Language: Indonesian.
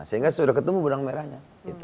sehingga sudah ketemu gudang merahnya